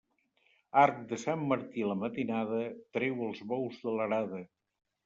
Arc de Sant Martí a la matinada, treu els bous de l'arada.